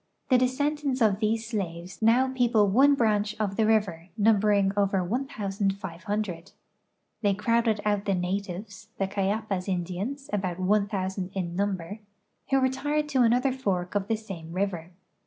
The descendants of these .slaves now peoi)le one branch of the river, numbering over 1 ,500. The\^ crowded out the natives (the Cayapas Indians, about 1,000 in number), who retired to another fork of the same river.